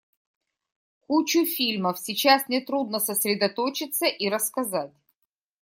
Кучу фильмов — сейчас мне трудно сосредоточиться и рассказать.